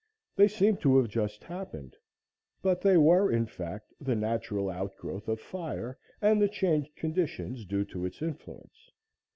They seemed to have just happened, but they were, in fact, the natural outgrowth of fire and the changed conditions due to its influence.